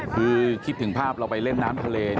คือคิดถึงภาพเราไปเล่นน้ำทะเล